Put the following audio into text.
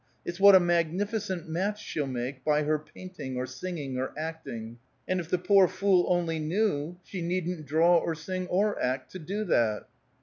It's what a magnificent match she'll make by her painting or singing or acting! And if the poor fool only knew, she needn't draw or sing or act, to do that."